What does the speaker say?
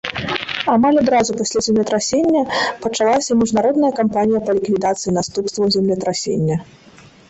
Амаль адразу пасля землетрасення пачалася міжнародная кампанія па ліквідацыі наступстваў землетрасення.